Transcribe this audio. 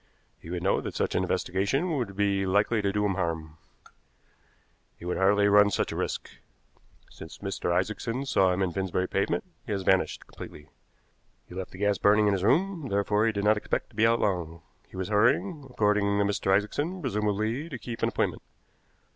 He would know that such an investigation would be likely to do him harm. He would hardly run such a risk. Since Mr. Isaacson saw him in Finsbury Pavement he has vanished completely. He left the gas burning in his room, therefore he did not expect to be out long. He was hurrying, according to Mr. Isaacson, presumably to keep an appointment.